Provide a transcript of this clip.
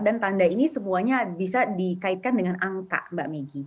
dan tanda ini semuanya bisa dikaitkan dengan angka mbak meggy